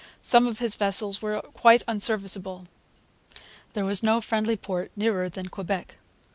Some of his vessels were quite unserviceable. There was no friendly port nearer than Quebec.